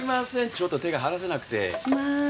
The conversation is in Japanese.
ちょっと手が離せなくてまあ